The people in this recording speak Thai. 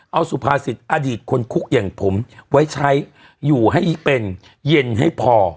เอาสุภาษิตอดีตคนคุกอย่างผมไว้ใช้อยู่ให้เป็นเย็นให้พอ